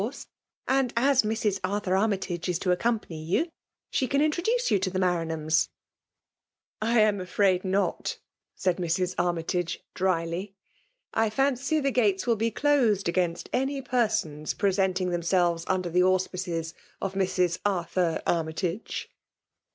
horse; abd as Mrs. Arthur Armytage is to acoom* pany you, she can introduce you to the Ma<» ranhams." <' I am afraid not, said Mrs. Armytage drily. '* I fancy the gates will be cksed against any persons presenting themselves under the auspices of Mrs. Arthur Army<» tage."